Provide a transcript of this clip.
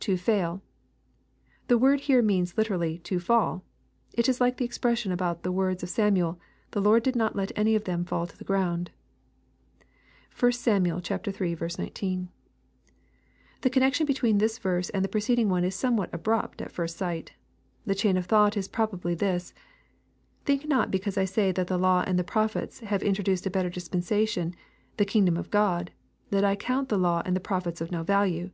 [To fail] The word here means Hterally " to fall." It is like the expression about the words of Samuel, " The Lord did not let any of them fall to the ground." (1 Sam. iii. 19.) The connection between this verse and the preceding one is somewhat abrupt at first sight. The chain of thought is probably this :—" Think not because I say that the law and the prophets nave introduced a better dispensation, the kingdom of God, that I count the law and the prophets of no value.